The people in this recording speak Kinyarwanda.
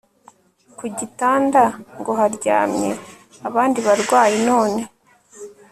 kugitanda ngo haryamye abandi barwayi none